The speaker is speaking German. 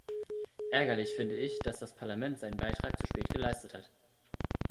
Ärgerlich finde ich, dass das Parlament seinen Beitrag zu spät geleistet hat.